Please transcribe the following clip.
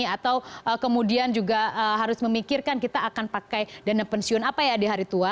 atau kemudian juga harus memikirkan kita akan pakai dana pensiun apa ya di hari tua